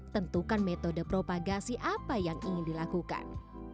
tentukan metode propagasi apa yang ingin dilakukan